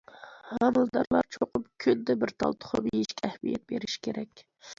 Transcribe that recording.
ھامىلىدارلار چوقۇم كۈندە بىر تال تۇخۇم يېيىشكە ئەھمىيەت بېرىشى كېرەك.